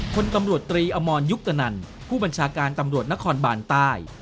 คนตำรวจตรีอมรยุคตนันผู้บัญชาการตำรวจนครบานใต้